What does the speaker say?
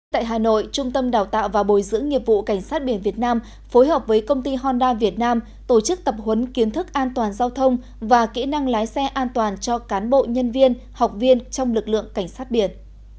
tại hà nội trung tâm đào tạo và bồi dưỡng nghiệp vụ cảnh sát biển việt nam phối hợp với công ty honda việt nam tổ chức tập huấn kiến thức an toàn giao thông và kỹ năng lái xe an toàn cho cán bộ nhân viên học viên trong lực lượng cảnh sát biển